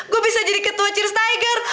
gue bisa jadi ketua cheers tiger